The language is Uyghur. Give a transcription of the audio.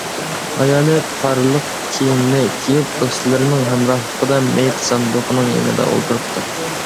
ئايالى قارلىق كىيىمنى كىيىپ، دوستلىرىنىڭ ھەمراھلىقىدا مېيىت ساندۇقىنىڭ يېنىدا ئولتۇرۇپتۇ.